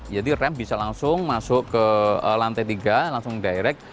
rem bisa langsung masuk ke lantai tiga langsung direct